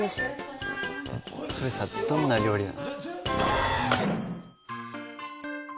それさどんな料理なの？